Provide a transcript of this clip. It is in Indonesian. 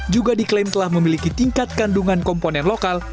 juga diklaim telah memiliki tingkat kandungan komponen lokal